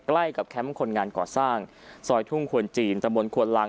ใกล้กับแคมป์คนงานก่อสร้างซอยทุ่งควนจีนตะบนควนลัง